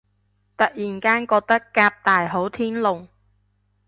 突然間覺得革大好天龍